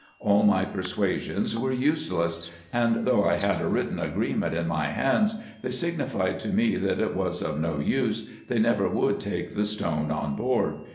All my per suasions were useless ; and though I had a written agreement in my hands, they signified to me, that it was of no use, they never would take the stone on board.